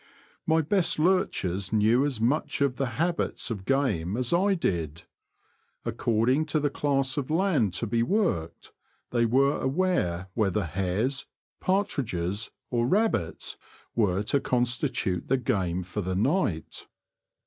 My best lurchers knew as much of the habits of game as I did. According to the class of land to be worked they were aware whether hares, partridges, or rabbits were to constitute the game for the night.